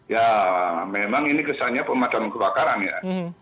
ya memang ini kesannya pemadam kebakaran ya